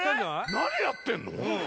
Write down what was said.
何やってんの？